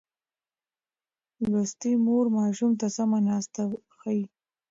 لوستې مور ماشوم ته سمه ناسته ښيي.